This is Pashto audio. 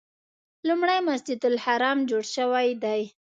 لومړی مسجد الحرام جوړ شوی دی.